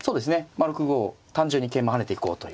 まあ６五単純に桂馬跳ねていこうというのがね